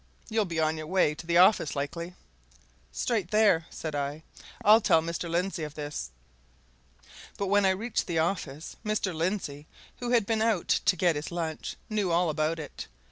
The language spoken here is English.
You'll be on your way to the office, likely?" "Straight there," said I. "I'll tell Mr. Lindsey of this." But when I reached the office, Mr. Lindsey, who had been out to get his lunch, knew all about it.